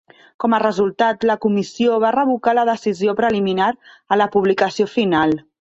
Com a resultat, la comissió va revocar la decisió preliminar a la publicació final.